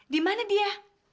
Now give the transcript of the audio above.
di mana dia